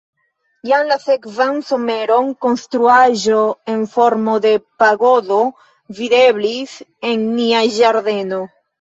Jam la sekvan someron konstruaĵo en formo de pagodo videblis en nia ĝardeno.